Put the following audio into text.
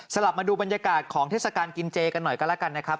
กลับมาดูบรรยากาศของเทศกาลกินเจกันหน่อยก็แล้วกันนะครับ